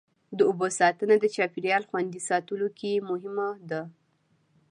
د اوبو ساتنه د چاپېریال خوندي ساتلو کې مهمه ده.